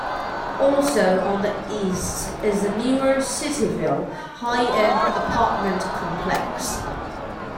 Also on the east is the newer Cityville high-end apartment complex.